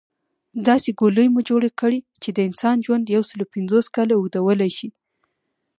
داسې ګولۍ مو جوړه کړه چې د انسان ژوند يوسل پنځوس کاله اوږدولی شي